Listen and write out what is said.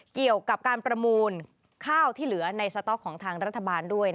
เกี่ยวกับการประมูลข้าวที่เหลือในสต๊อกของทางรัฐบาลด้วย